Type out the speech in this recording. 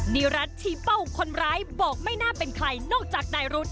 นิรัติชี้เป้าคนร้ายบอกไม่น่าเป็นใครนอกจากนายรุธ